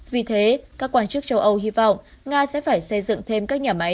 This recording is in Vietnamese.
vì thế các quan chức châu âu hy vọng nga sẽ phải xây dựng thêm các nhà máy